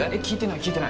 聞いてない。